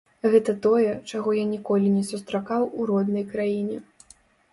Гэта тое, чаго я ніколі не сустракаў у роднай краіне.